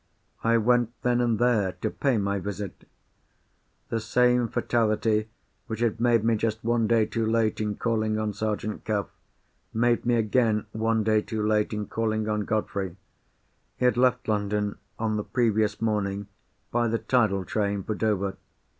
I went, then and there, to pay my visit. The same fatality which had made me just one day too late in calling on Sergeant Cuff, made me again one day too late in calling on Godfrey. He had left London, on the previous morning, by the tidal train, for Dover.